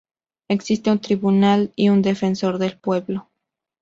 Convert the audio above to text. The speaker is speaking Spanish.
Existe un tribunal y un defensor del pueblo.